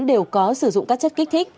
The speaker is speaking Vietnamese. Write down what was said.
đều có sử dụng các chất kích thích